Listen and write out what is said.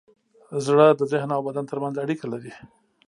زړه د ذهن او بدن ترمنځ اړیکه لري.